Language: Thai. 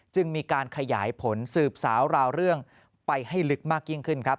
จึงมีการขยายผลสืบสาวราวเรื่องไปให้ลึกมากยิ่งขึ้นครับ